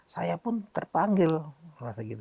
saya pun terpanggil merasa gitu